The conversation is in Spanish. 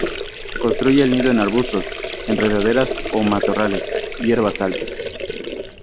Construye el nido en arbustos, enredaderas o en matorrales, hierbas altas.